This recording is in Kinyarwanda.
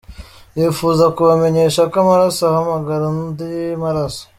Nifuza kubamenyesha ko amaraso ahamagara andi maraso.